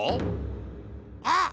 あっ！